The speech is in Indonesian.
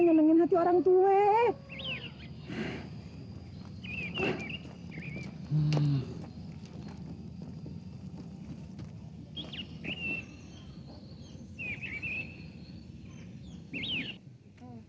gak bakal jadi cult click